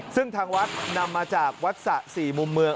ซึ่งทางวัดนำมาจากวัดสะ๔มุมเมือง